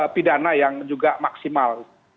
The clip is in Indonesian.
pidana yang juga maksimal